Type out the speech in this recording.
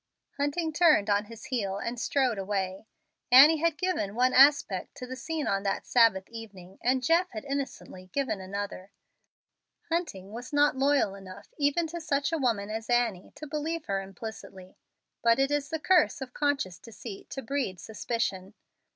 Hunting turned on his heel and strode away. Annie had given one aspect to the scene on that Sabbath evening, and Jeff had innocently given another. Hunting was not loyal enough even to such a woman as Annie to believe her implicitly. But it is the curse of conscious deceit to breed suspicion.